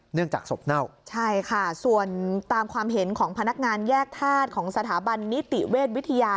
เนื่องจากสบเน่าใช่ค่ะส่วนตามความเห็นของพนักงานแยกทาสของสถาบันนิติเวทวิทยา